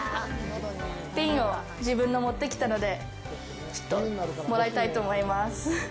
びんを、自分の、持ってきたのでちょっともらいたいと思います。